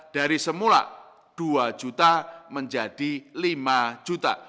dari semula dua juta menjadi lima juta